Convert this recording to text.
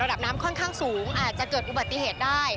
ระดับน้ำค่อนข้างสูงอาจจะเกิดอุบัติเหตุได้